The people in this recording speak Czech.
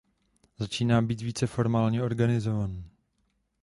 Začíná být více formálně organizovaný.